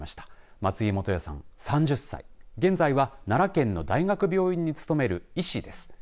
松井元哉さん３０歳現在は奈良県の大学病院に勤める医師です。